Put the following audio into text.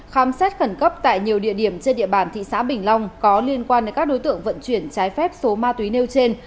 khám xét khẩn cấp tại nhiều địa điểm trên địa bàn thị xã bình long có liên quan đến các đối tượng vận chuyển trái phép số ma túy nêu trên